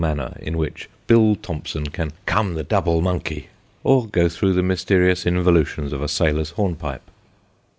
manner in which Bill Thompson can " come the double monkey," or go through the mysterious involutions of a sailor's hornpipe.